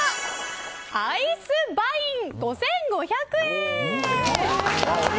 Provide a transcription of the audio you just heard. アイスバイン、５５００円。